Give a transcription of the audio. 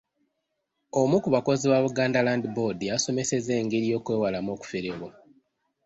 Omu ku bakozi ba Buganda Land Board yasomesezza engeri y'okwewalamu okuferebwa.